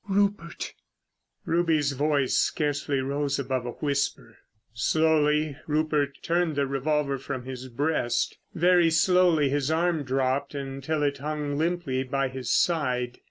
"Rupert!" Ruby's voice scarcely rose above a whisper. Slowly Rupert turned the revolver from his breast. Very slowly his arm dropped until it hung limply by his side.